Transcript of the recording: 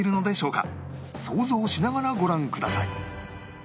想像しながらご覧ください